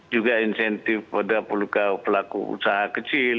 juga insentif pada pelaku usaha kecil